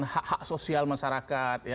hak hak sosial masyarakat